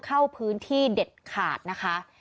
เข้าพื้นที่เด็ดขาดนะคะ